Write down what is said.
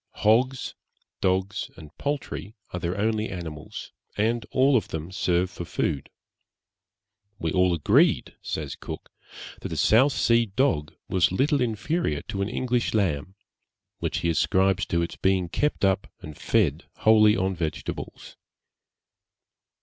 Hogs, dogs, and poultry are their only animals, and all of them serve for food. 'We all agreed,' says Cook, 'that a South Sea dog was little inferior to an English lamb,' which he ascribes to its being kept up and fed wholly on vegetables.